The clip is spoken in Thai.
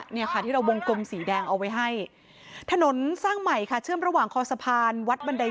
ไกลศูนย์เองสกราบกำลังมานะจนกลับไป